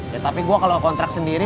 ya tapi gue kalau ngontrak sendiri